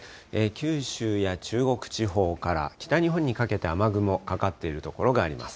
九州や中国地方から北日本にかけて雨雲、かかっている所があります。